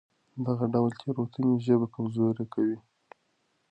دغه ډول تېروتنې ژبه کمزورې کوي.